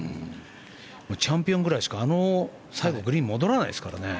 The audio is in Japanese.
チャンピオンぐらいしか最後グリーン戻らないですからね。